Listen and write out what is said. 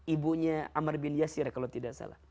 ibunya amar bin yasir kalau tidak salah